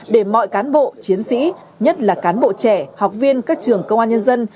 để mọi cán bộ chiến sĩ nhất là cán bộ trẻ học viên các trường công an nhân dân